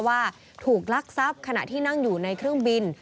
ว่าถูกลักทรัพย์ขณะที่นั่งอยู่ในเครื่องบิน